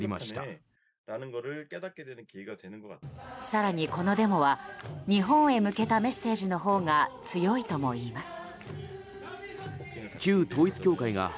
更にこのデモは日本へ向けたメッセージのほうが強いとも言います。